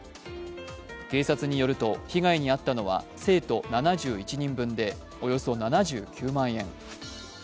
警察によると、被害に遭ったのは生徒７１人分でおよそ７９万円。